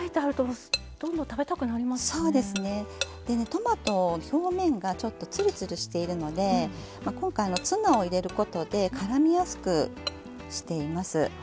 トマト表面がちょっとツルツルしているので今回ツナを入れることでからみやすくしています。